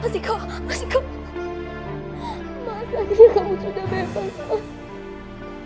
mas ini kamu sudah bebas mas mas ini kamu sudah bebas mas